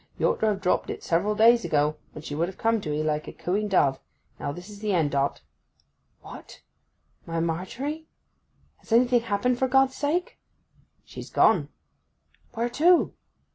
'You ought to have dropped it several days ago, when she would have come to 'ee like a cooing dove. Now this is the end o't!' 'Hey! what, my Margery? Has anything happened, for God's sake?' 'She's gone.' 'Where to?